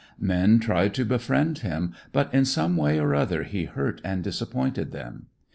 Men tried to befriend him, but in some way or other he hurt and disappointed them.